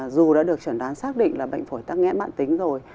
dù đã được chuẩn đoán xác định là bệnh phổi tắc nghẽn mạng tính rồi